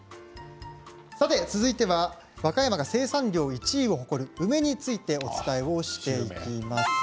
続いては和歌山が生産量１位を誇る梅についてお伝えしていきます。